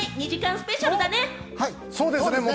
スペシャルだね。